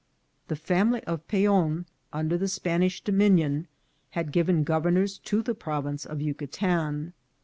The family of Peon, under the Spanish domin ion, had given governors to the province of Yucatan.